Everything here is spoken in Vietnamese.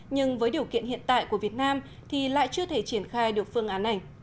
nhưng với điều kiện hiện tại của việt nam thì lại chưa thể triển khai được phương án này